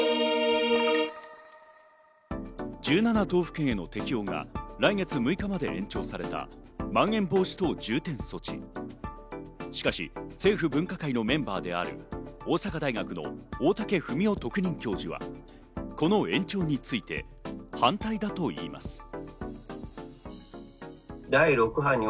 １７道府県への適用が来月６日まで延長されたまん延防止等重点措置のしかし政府分科会のメンバーである大阪大学の大竹文雄特任教授はこの延長について反対だといいます。